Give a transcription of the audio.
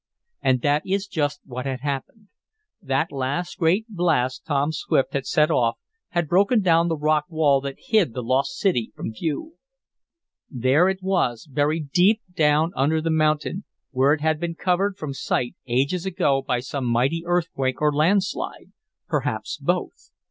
And that is just what had happened. That last great blast Tom Swift had set off had broken down the rock wall that hid the lost city from view. There it was, buried deep down under the mountain, where it had been covered from sight ages ago by some mighty earthquake or landslide; perhaps both.